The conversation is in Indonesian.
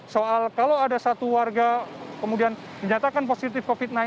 soal kalau ada satu warga kemudian dinyatakan positif covid sembilan belas